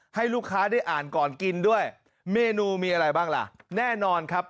ให้ลูกค้าได้อ่านก่อนกินด้วยเมนูมีอะไรบ้างล่ะแน่นอนครับ